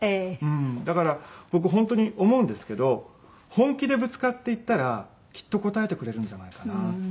だから僕本当に思うんですけど本気でぶつかっていったらきっと応えてくれるんじゃないかなって。